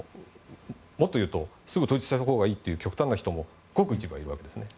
もっと言うとすぐ統一されたほうがいいという極端な人もごく一部はいるわけですね。